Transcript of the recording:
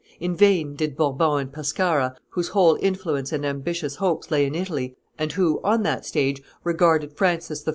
In vain did Bourbon and Pescara, whose whole influence and ambitious hopes lay in Italy, and who, on that stage, regarded Francis I.